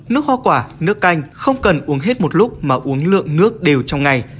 nước hoa quả nước canh không cần uống hết một lúc mà uống lượng nước đều trong ngày